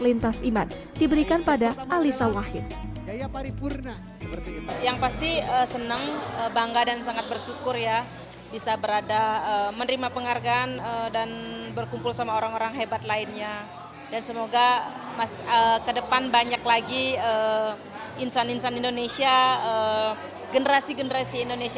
dan juga kategori kualitas iman diberikan pada alisa wahid